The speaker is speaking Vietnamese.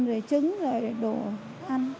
rồi trứng rồi đồ ăn